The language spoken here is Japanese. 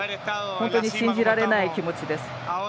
本当に信じられない気持ちです。